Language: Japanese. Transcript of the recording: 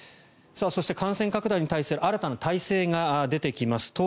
そして、感染拡大に対する新たな体制が出てきます。